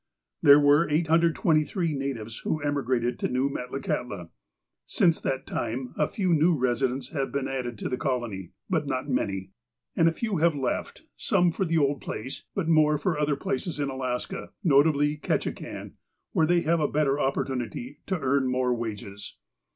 There were 823 natives who emigrated to New Metla kahtla. Since that time a few new residents have been added to the colony, but not many. And a few have left, some for the old place, but more for other places in Alaska, notably Ketchikan, where they have a better opportunity to earn more wages.